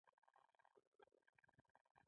دکان والا وویل چې مدیر تر ماسپښین نه راځي.